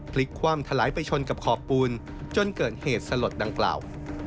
พลิกคว่ำถลายไปชนกับขอบปูนจนเกิดเหตุสลดดังกล่าว